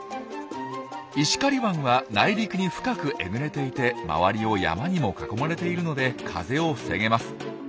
石狩湾は内陸に深くえぐれていて周りを山にも囲まれているので風を防げます。